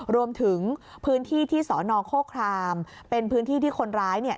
รวมถึงพื้นที่ที่สอนอโคครามเป็นพื้นที่ที่คนร้ายเนี่ย